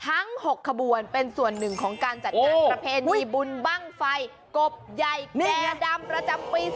ทั้ง๖ขบวนเป็นส่วนหนึ่งของการจัดงานประเพณีบุญบ้างไฟกบใหญ่แก่ดำประจำปี๒๕